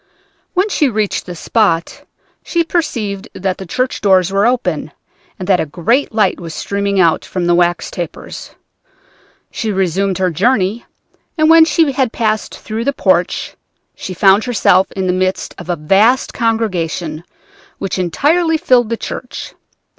When she reached this spot she perceived that the church doors were open, and that a great light was streaming out from the wax tapers. She resumed her journey, and when she had passed through the porch she found herself in the midst of a vast congregation which entirely filled the church.